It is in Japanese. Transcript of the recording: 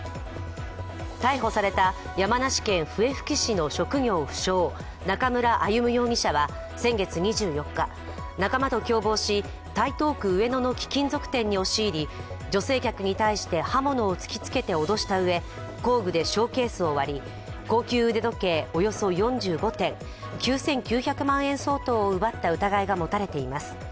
逮捕された山梨県笛吹市の職業不詳中村歩武容疑者は先月２４日、仲間と共謀し、台東区上野のの貴金属店に押し入り女性客に対して刃物を突きつけて脅したうえ工具でショーケースを割り、高級腕時計およそ４５点、９９００万円相当を奪った疑いが持たれています。